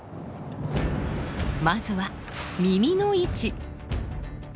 まずは耳の位置。